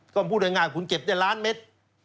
ก็พูดง่ายคุณเก็บได้ล้านเม็ด